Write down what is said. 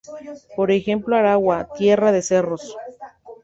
Por ejemplo, Aragua: ‘tierra de cerros’.